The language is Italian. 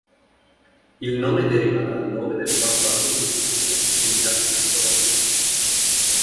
Il nome deriva dal nome del quarto album in studio "...And Justice for All".